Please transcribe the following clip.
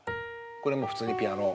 これもう普通にピアノ。